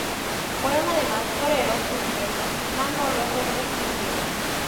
Fueron además toreros sus nietos Manolo, Fermín y Miguel.